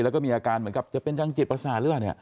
แล้วก็มีอาการเหมือนกับจะเป็นทางจิตประสาทหรือเปล่าเนี่ย